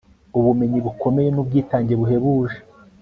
ubumenyi bukomeye nubwitange buhebuje! ..